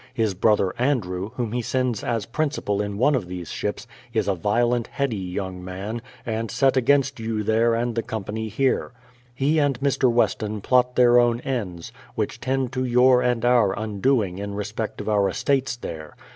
His brother Andrew, whom he sends as principal in one of these ships, is a violent, heady young man, and set against you there and the company here. He and Mr. Weston plot their own ends, which tend to your and our undoing in respect of our estates there.